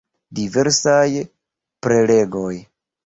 Diversaj prelegoj.